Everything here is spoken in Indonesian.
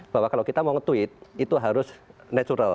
bahwa kalau kita mau nge tweet itu harus natural